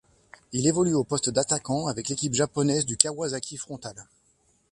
Il évolue au poste d'attaquant avec l'équipe japonaise du Kawasaki Frontale.